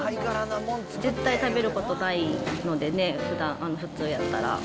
絶対食べることないのでね、ふだん、普通やったら。